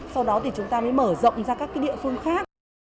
sau đó thì chúng ta mới mở rộng ra các địa phương khác